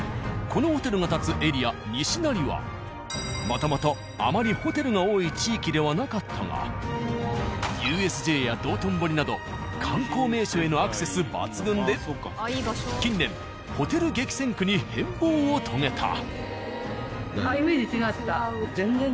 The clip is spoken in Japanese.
このホテルが建つエリア西成はもともとあまりホテルが多い地域ではなかったがＵＳＪや道頓堀など観光名所へのアクセス抜群で近年ホテル激戦区に変貌を遂げた。